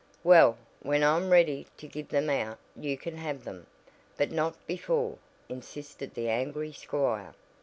"Well, when I'm ready to give them out you can have them, but not before," insisted the angry squire.